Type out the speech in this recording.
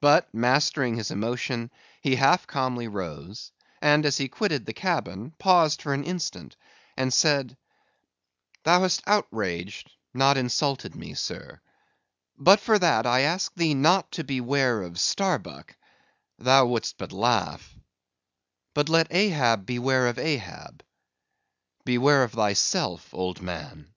But, mastering his emotion, he half calmly rose, and as he quitted the cabin, paused for an instant and said: "Thou hast outraged, not insulted me, sir; but for that I ask thee not to beware of Starbuck; thou wouldst but laugh; but let Ahab beware of Ahab; beware of thyself, old man."